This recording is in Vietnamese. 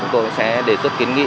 tôi sẽ đề xuất kiến nghị